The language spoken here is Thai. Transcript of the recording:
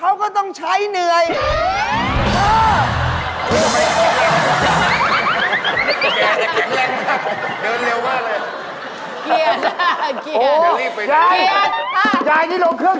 อ้าวก็จะได้นั่งก่อน